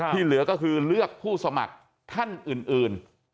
เหลือก็คือเลือกผู้สมัครท่านอื่น